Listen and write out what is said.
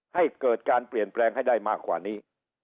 ให้เกิดการเปลี่ยนแปลงให้ได้มากกว่านี้